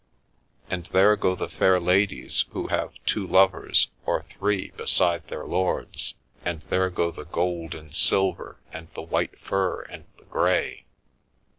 ... And there go the fair ladies who have two lovers or three beside their lords, and there go the gold and silver and the white fur and the grey.'